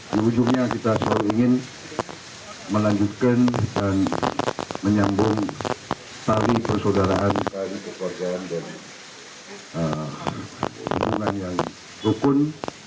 di ujungnya kita selalu ingin melanjutkan dan menyambung tali persaudaraan tali kekuasaan dan hubungan yang rukun